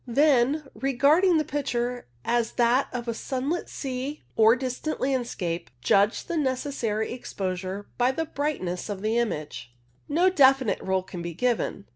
Then, regarding the picture as that of a sunlit sea or distant landscape, judge the necessary exposure by the brightness of the image. USE OF SLOW PLATES 169 No definite rule can be given.